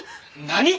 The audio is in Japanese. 何！？